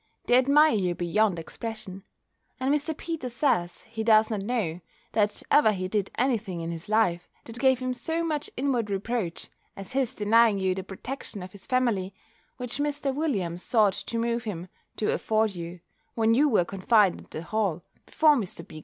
They admire you beyond expression; and Mr. Peters says, he does not know, that ever he did any thing in his life, that gave him so much inward reproach, as his denying you the protection of his family, which Mr. Williams sought to move him to afford you, when you were confined at the Hall, before Mr. B.